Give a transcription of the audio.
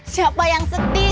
siapa yang sedih